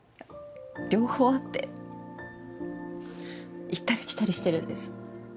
両方あって行ったり来たりしてるんです。